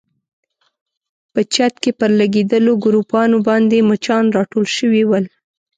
په چت کې پر لګېدلو ګروپانو باندې مچان راټول شوي ول.